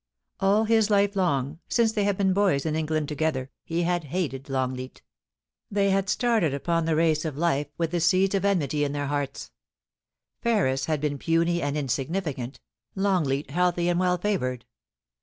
All his life long since they had been boys in England together, he had hated LongleaL They had started upon the race of life with the seeds of enmity in their hearts, Ferris had been puny and insigniiicant, Longleat healthy and well favoured.